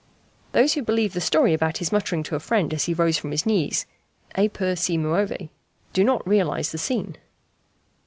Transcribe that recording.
Those who believe the story about his muttering to a friend, as he rose from his knees, "e pur si muove," do not realize the scene.